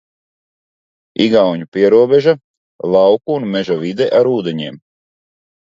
Igauņu pierobeža, lauku un meža vide ar ūdeņiem.